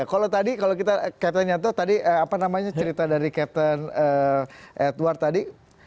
kalau tadi kalau kita captain nyanto tadi apa namanya cerita dari captain edward tadi